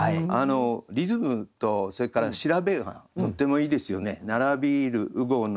リズムとそれから調べがとってもいいですよね。